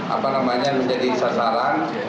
apa namanya menjadi sasaran